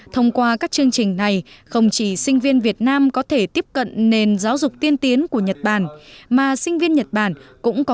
thông qua các chương trình này không chỉ sinh viên việt nam có thể tiếp cận nền giáo dục tiên tiến của nhật bản